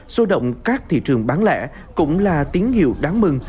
sôi động các thị trường bán lẻ cũng là tiếng hiệu đáng mừng